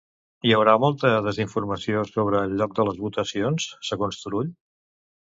Hi haurà molta desinformació sobre el lloc de les votacions, segons Turull?